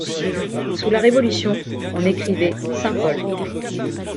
Sous la Révolution, on écrivait Sainpaul.